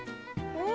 うん！